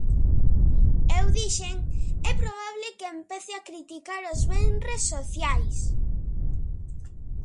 Eu dixen: é probable que empece a criticar os venres sociais.